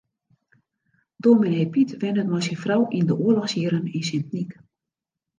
Dominee Pyt wennet mei syn frou yn de oarlochsjierren yn Sint Nyk.